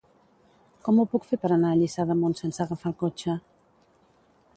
Com ho puc fer per anar a Lliçà d'Amunt sense agafar el cotxe?